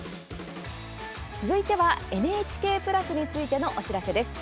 続いてはＮＨＫプラスについてのお知らせです。